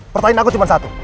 pertanyaan aku cuma satu